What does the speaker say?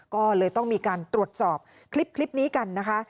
ก็เลยต้องมีการตรวจสอบคลิปนี้กันนะคะ